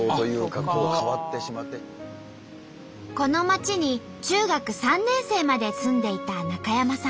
この町に中学３年生まで住んでいた中山さん。